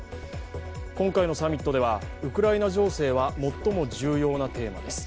今回のサミットでは、ウクライナ情勢は最も重要なテーマです。